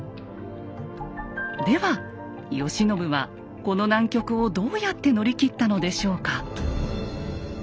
では慶喜はこの難局をどうやって乗り切ったのでしょうか。